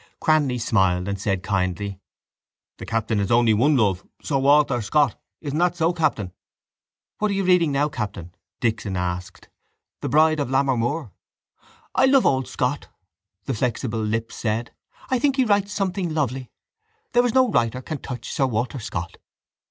Cranly smiled and said kindly: —The captain has only one love: sir Walter Scott. Isn't that so, captain? —What are you reading now, captain? Dixon asked. The Bride of Lammermoor? —I love old Scott, the flexible lips said, I think he writes something lovely. There is no writer can touch sir Walter Scott.